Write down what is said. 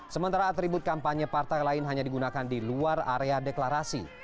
sementara atribut kampanye partai lain hanya digunakan di luar area deklarasi